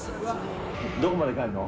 どこまで帰るの？